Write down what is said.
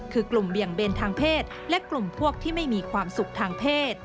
คือกลุ่มเบี่ยงเบนทางเพศและกลุ่มพวกที่ไม่มีความสุขทางเพศ